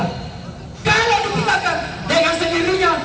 kalau dikirakan dengan sendirinya